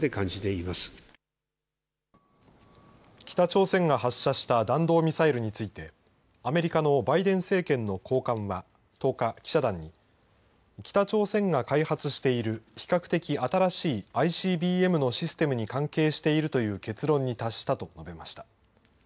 北朝鮮が発射した弾道ミサイルについて、アメリカのバイデン政権の高官は１０日、記者団に、北朝鮮が開発している比較的新しいＩＣＢＭのシステムに関係しているという結論に達したと述べました。